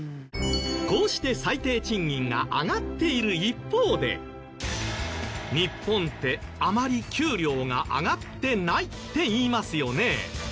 こうして最低賃金が上がっている一方で日本ってあまり給料が上がってないっていいますよね。